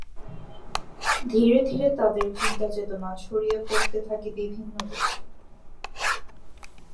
ধীরে ধীরে তাদের চিন্তা-চেতনা ছড়িয়ে পড়তে থাকে বিভিন্ন দেশে।